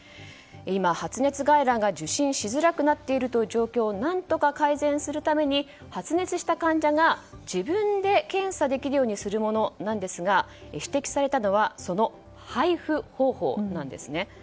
今、発熱外来が受診しづらくなっている状況を何とか改善するために発熱した患者が自分で検査できるようにするものですが指摘されたのはその配布方法です。